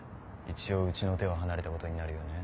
一応うちの手は離れたことになるよね。